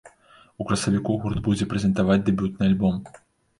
У красавіку гурт будзе прэзентаваць дэбютны альбом.